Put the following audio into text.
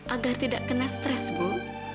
agar tidak kena stres bu